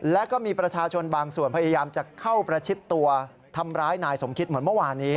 และก็มีประชาชนบางส่วนพยายามจะเข้าประชิดตัวทำร้ายนายสมคิดเหมือนเมื่อวานนี้